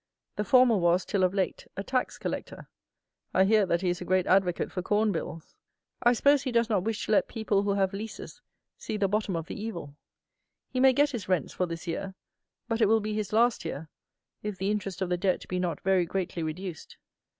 The former was, till of late, a Tax Collector. I hear that he is a great advocate for corn bills! I suppose he does not wish to let people who have leases see the bottom of the evil. He may get his rents for this year; but it will be his last year, if the interest of the Debt be not very greatly reduced.